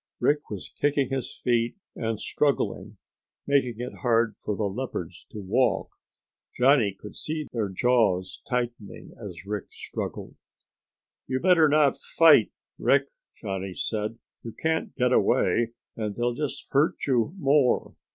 Rick was kicking his feet and struggling, making it hard for the leopards to walk. Johnny could see their jaws tightening as Rick struggled. "You better not fight, Rick," Johnny said. "You can't get away and they'll just hurt you more.